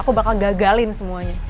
aku bakal gagalin semuanya